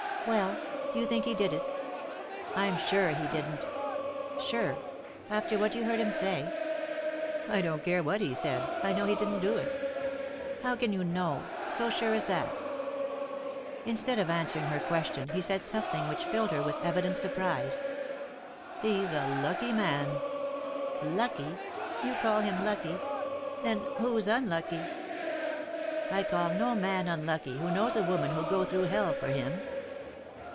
" Well ? Do you think he did it ?" "I'm sure he didn't" "Sure I After what you heard him say ?" "I don't care what he said. I know he didn't do it" " How can you know ? So sure as that ?" Instead of answering her question he said some* thing which filled her with evident surprise. " He's a lucky man." " Lucky 1 You call him lucky 1 Then— who's un lucky ?" "I call no man unlucky who knows a woman who'll go through hell for him."